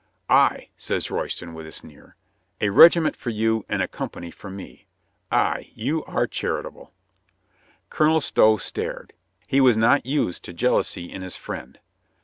"Ay," says Royston with a sneer. "A regiment for you and a company for me. Ay, you are char itable." Colonel Stow stared. He was not used to jealousy in his friend.